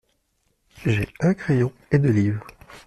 J’ai un crayon et deux livres.